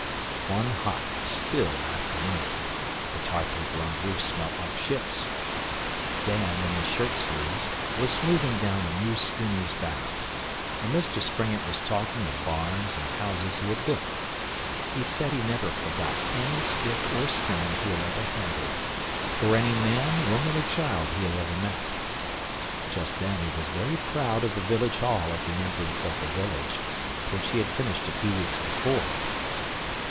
One hot, still afternoon the tar paper on the roof smelt like ships Dan, in his shirt sleeves, was smoothing down a new schooner's bow, and Mr Springett was talking of barns and houses he had built. He said he never forgot any stick or stone he had ever handled, or any man, woman, or child he had ever met. Just then he was very proud of the Village Hall at the entrance of the village, which he had finished a few weeks before.